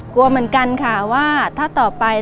กลัวเหมือนกันค่ะว่าถ้าต่อไป